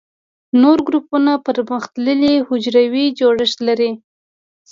نور ګروپونه پرمختللي حجروي جوړښت لري.